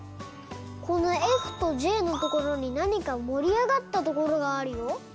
このｆとｊのところになにかもりあがったところがあるよ。